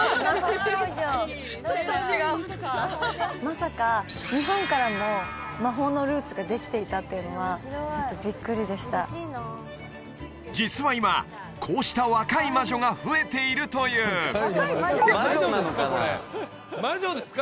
ちょっと違うまさか日本からも魔法のルーツができていたっていうのはちょっとビックリでした実は今こうした若い魔女が増えているという魔女ですか？